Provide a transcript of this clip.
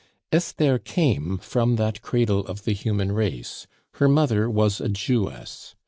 Esther came from that cradle of the human race; her mother was a Jewess.